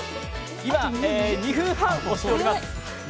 今、２分半押しております。